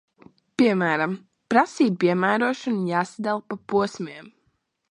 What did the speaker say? Piemēram, prasību piemērošana ir jāsadala pa posmiem.